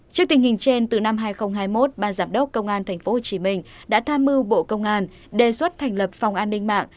trước tình hình trên từ năm hai nghìn hai mươi một ban giám đốc công an tp hcm đã tham mưu bộ công an đề xuất thành lập phòng an ninh mạng